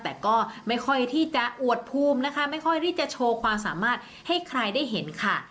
แต่ก็ไม่ค่อยที่จะอวดภูมินะคะไม่ค่อยที่จะโชว์ความสามารถให้ใครได้เห็นค่ะ